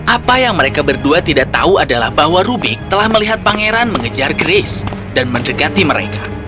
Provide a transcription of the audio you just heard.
apa yang mereka berdua tidak tahu adalah bahwa rubik telah melihat pangeran mengejar grace dan mendekati mereka